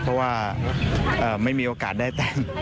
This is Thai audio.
เพราะว่าไม่มีโอกาสได้แต้ม